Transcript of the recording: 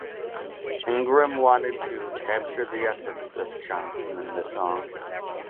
Ingram wanted to "capture the essence" of Johnson in the song.